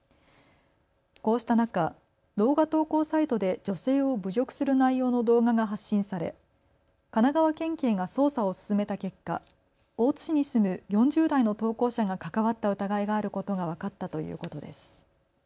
こうした中、動画投稿サイトで女性を侮辱する内容の動画が発信され神奈川県警が捜査を進めた結果、大津市に住む４０代の投稿者が関わった疑いがあることが分かったということです。